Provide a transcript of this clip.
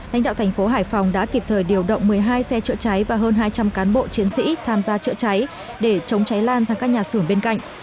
lãnh đạo thành phố hải phòng đã kịp thời điều động một mươi hai xe chữa cháy và hơn hai trăm linh cán bộ chiến sĩ tham gia chữa cháy để chống cháy lan sang các nhà xưởng bên cạnh